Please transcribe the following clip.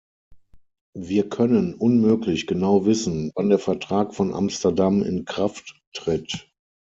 Wir können unmöglich genau wissen, wann der Vertrag von Amsterdam in Kraft tritt.